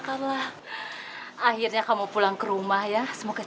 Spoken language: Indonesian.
cukup buat bayar rumah sakit